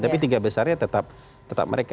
tapi tiga besarnya tetap mereka